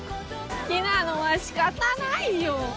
「好きなのは仕方ないよ」